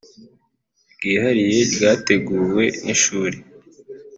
Ryihariye ryateguwe n ishuri